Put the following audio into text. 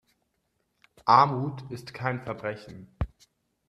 Armut ist kein Verbrechen.